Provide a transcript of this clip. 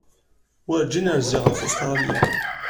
Werǧin rziɣ ɣef Ustṛalya.